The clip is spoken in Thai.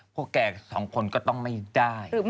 พวกแกสองคนก็ต้องไม่ได้